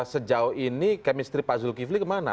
sejauh ini kemistri pak zulkifli kemana